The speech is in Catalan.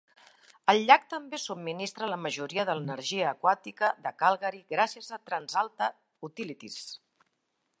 El llac també subministra la majoria de l'energia aquàtica de Calgary gràcies a TransAlta Utilities.